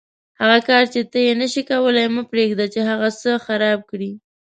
هغه کار چې ته یې نشې کولای مه پرېږده چې هغه څه خراب کړي.